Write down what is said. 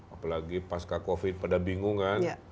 apalagi pasca covid pada bingungan